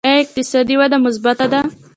آیا اقتصادي وده مثبته ده؟